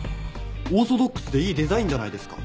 オーソドックスでいいデザインじゃないですか。